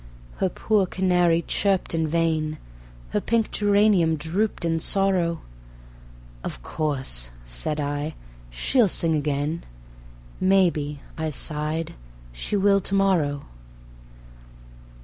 Her poor canary chirped in vain; Her pink geranium drooped in sorrow; "Of course," said I, "she'll sing again. Maybe," I sighed, "she will to morrow."